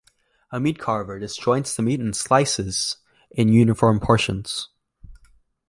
A meat carver disjoints the meat and slices in uniform portions.